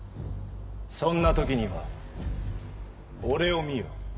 そんな時には俺を見よ。